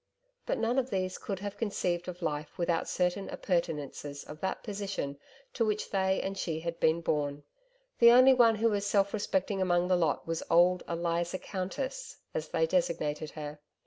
But none of these could have conceived of life without certain appurtenances of that position to which they and she had been born. The only one who was self respecting among the lot was old 'Eliza Countess' as they designated her.